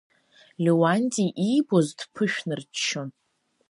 Леуанти иибоз дԥышәнарччон.